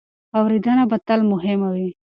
اورېدنه به تل مهمه وي.